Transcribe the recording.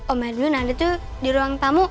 om edwin ada tuh di ruang tamu